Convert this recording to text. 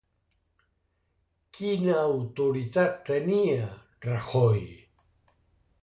Quina autoritat tenia, Rajoy?